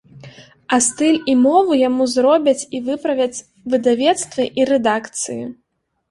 А стыль і мову яму зробяць і выправяць выдавецтвы і рэдакцыі.